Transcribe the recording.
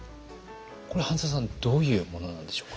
これ半澤さんどういうものなのでしょうか。